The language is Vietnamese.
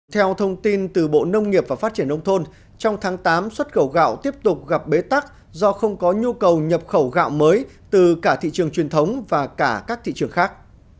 theo thông tin từ bộ nông nghiệp và phát triển nông thôn trong tháng tám xuất khẩu gạo tiếp tục gặp bế tắc do không có nhu cầu nhập khẩu gạo mới từ cả thị trường truyền thống và cả các thị trường khác